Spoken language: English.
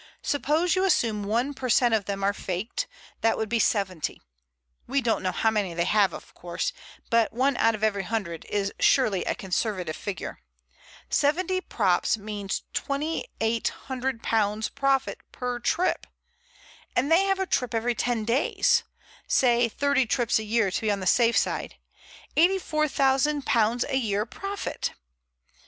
Suppose you assume one per cent of them are faked, that would be seventy. We don't know how many they have, of course, but one out of every hundred is surely a conservative figure. Seventy props means £2,800 profit per trip. And they have a trip every ten days—say thirty trips a year to be on the safe side—£84,000 a year profit!